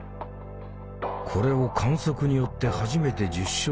これを観測によって初めて実証した人物